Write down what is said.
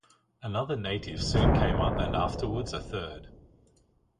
Another native soon came up and afterwards a third.